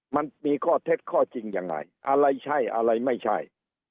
มันมีข้อเท็จข้อจริงยังไงอะไรใช่อะไรไม่ใช่